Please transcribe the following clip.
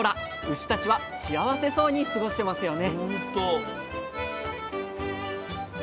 牛たちは幸せそうに過ごしてますよね！